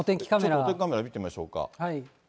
お天気カメラ見てみましょうか。